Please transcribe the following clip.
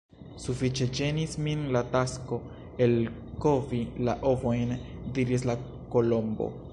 "Sufiĉe ĝenis min la tasko elkovi la ovojn," diris la Kolombo.